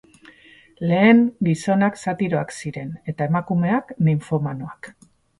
Lehen gizonak satiroak ziren eta emakumeak ninfomanoak.